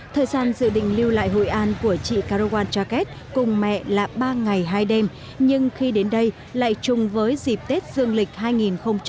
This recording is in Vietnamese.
thời gian dự định lưu lại hội an của chị carowan chaket cùng mẹ là ba ngày hai đêm nhưng khi đến đây lại chung với dịp tết dương lịch hai nghìn hai mươi